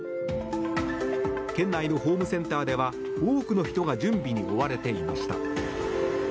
県内のホームセンターでは多くの人が準備に追われていました。